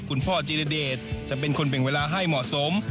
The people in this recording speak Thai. คุณพ่อจิรเดชจะเป็นคนแบ่งเวลาให้เหมาะสม